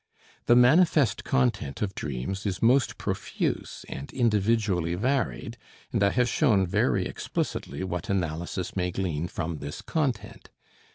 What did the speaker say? The manifest content of dreams is most profuse and individually varied, and I have shown very explicitly what analysis may glean from this content.